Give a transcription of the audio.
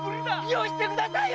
よしてくださいよ！